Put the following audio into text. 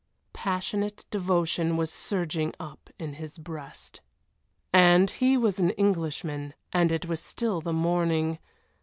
Passionate devotion was surging up in his breast. And he was an Englishman, and it was still the morning.